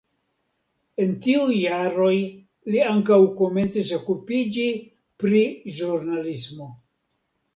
En tiuj jaroj li ankaŭ komencis okupiĝi pri ĵurnalismo.